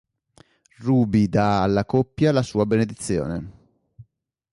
Ruby dà alla coppia la sua benedizione.